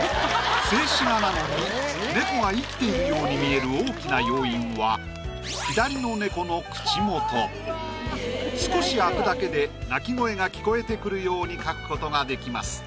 静止画なのに猫が生きているように見える大きな要因は少し開くだけで鳴き声が聞こえてくるように描くことができます。